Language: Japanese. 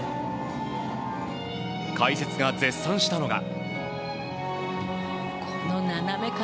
解説が絶賛したのが。